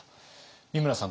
美村さん